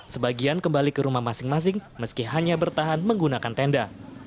sebagian kembali ke rumah masing masing meski hanya bertahan menggunakan tenda